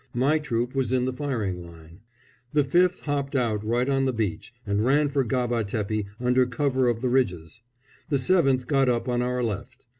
My troop was in the firing line. The 5th hopped out right on the beach, and ran for Gaba Tepi under cover of the ridges. The 7th got up on our left.